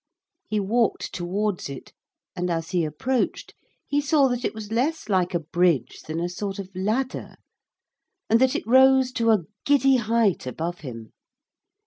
He walked towards it, and as he approached he saw that it was less like a bridge than a sort of ladder, and that it rose to a giddy height above him.